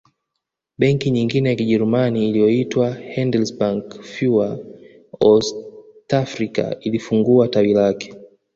Benki nyingine ya Kijerumani iliyoitwa Handelsbank fuer Ostafrika ilifungua tawi lake